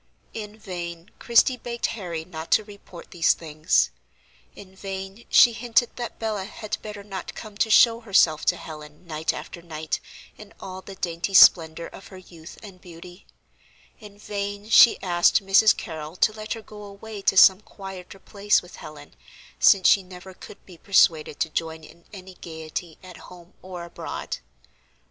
In vain Christie begged Harry not to report these things, in vain she hinted that Bella had better not come to show herself to Helen night after night in all the dainty splendor of her youth and beauty; in vain she asked Mrs. Carrol to let her go away to some quieter place with Helen, since she never could be persuaded to join in any gayety at home or abroad.